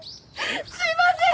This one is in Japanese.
すいません！